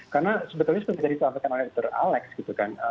karena sebetulnya seperti tadi disampaikan oleh dr alex gitu kan